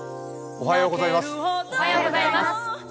おはようございます。